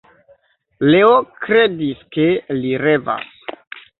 Leo kredis, ke li revas.